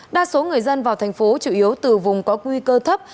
đa số người dân vào thành phố chủ yếu từ vùng có nguy cơ thấp